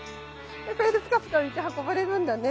これでプカプカ浮いて運ばれるんだね。